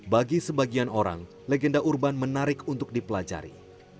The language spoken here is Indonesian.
bagi sebagian orang legenda urban menarik untuk dipelajari